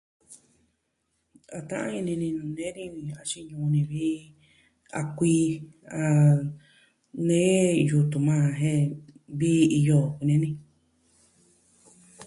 A ta'an ini ni nuu nee ni, axin ñuu ni vi. A kuii nee yutun majan jen vii iyo jo kuni ni.